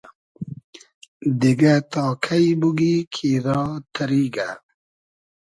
دیگۂ تا کݷ بوگی کی را تئریگۂ